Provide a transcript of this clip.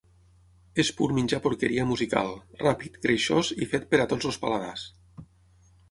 És pur menjar porqueria musical: ràpid, greixós i fet per a tots els paladars.